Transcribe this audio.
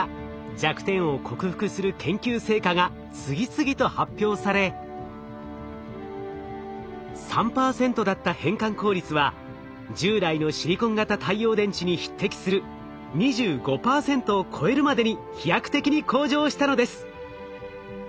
弱点を克服する研究成果が次々と発表され３％だった変換効率は従来のシリコン型太陽電池に匹敵する２５％を超えるまでに飛躍的に向上したのです。